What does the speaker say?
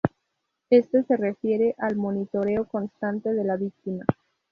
Este se refiere al monitoreo constante de la víctima.